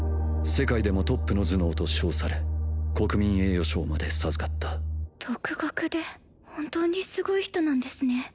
世界でもトップの頭脳と称され国民栄誉賞まで授かった独学で本当にすごい人なんですね